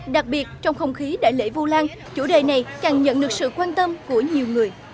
đặc biệt trong không khí đại lễ vu lan chủ đề này càng nhận được sự quan tâm của nhiều người